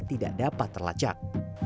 tidak dapat terlacak